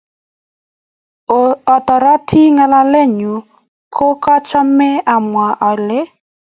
Otoroti ngalalenyu ko kochomei amwa ale